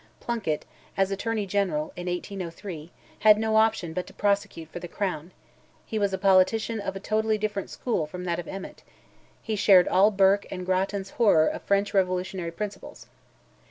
Plunkett, as Attorney General, in 1803, had no option but to prosecute for the crown; he was a politician of a totally different school from that of Emmet; he shared all Burke and Grattan's horror of French revolutionary principles.